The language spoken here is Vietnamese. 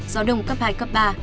gió đông cấp hai cấp ba